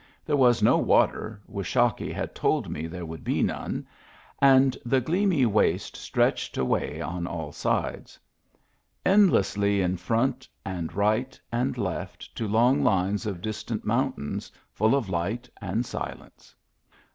There was no water (Washakie had told me there would be none), and the gleamy waste stretched away on all sides ; endlessly in front, and right and left to long lines of distant mountains, full of light and silence.